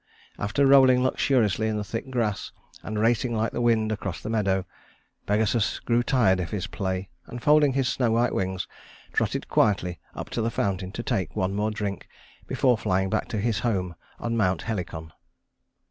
After rolling luxuriously in the thick grass, and racing like the wind across the meadow, Pegasus grew tired of his play, and folding his snow white wings, trotted quietly up to the fountain to take one more drink before flying back to his home on Mount Helicon.